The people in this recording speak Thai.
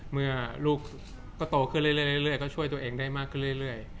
เมื่อลูกก็โตขึ้นเรื่อยก็ช่วยตัวเองได้มากขึ้นเรื่อย